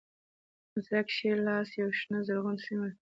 د سړک ښی لاس یوه شنه زرغونه سیمه ده.